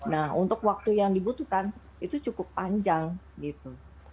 nah untuk waktu yang dibutuhkan itu cukup panjang gitu